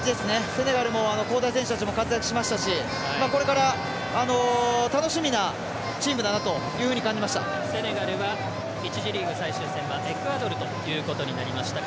セネガルも交代選手たちが活躍しましたしこれから楽しみなチームだなセネガルは１次リーグ最終戦はエクアドルということになりました。